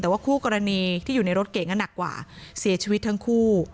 แต่ว่าคู่กรณีที่อยู่ในรถเก่งหนักกว่าเสียชีวิตทั้งคู่